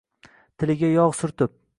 tiliga yog’ surtib